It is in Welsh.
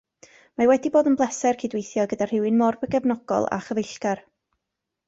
Mae wedi bod yn bleser cydweithio gyda rhywun mor gefnogol a chyfeillgar